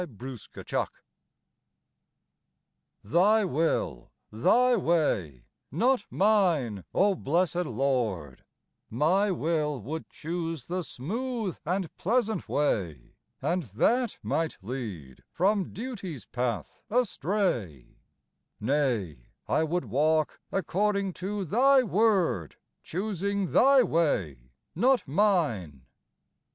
NOT MINE Thy will, Thy way, not mine, O blessed Lord; My will would choose the smooth and pleasant way, And that might lead from duty's path astray; Nay, I would walk "according to Thy word," Choosing Thy way, not mine.